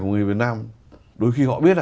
của người việt nam đôi khi họ biết là